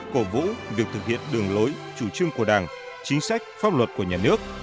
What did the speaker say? cổ vũ việc thực hiện đường lối chủ trương của đảng chính sách pháp luật của nhà nước